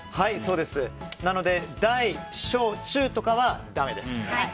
なので、大・小・中とかはだめです。